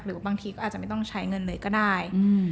บางทีก็อาจจะไม่ต้องใช้เงินเลยก็ได้